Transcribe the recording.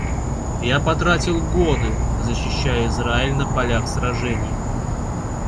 Я потратил годы, защищая Израиль на полях сражений.